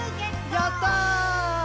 やった！